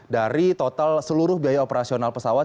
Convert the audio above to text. dari total seluruh biaya operasional pesawat